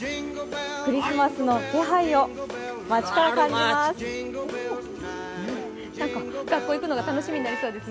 クリスマスの気配を街から感じます。